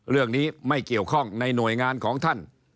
เรื่องนี้ไม่เกี่ยวข้องในหน่วยงานของท่าน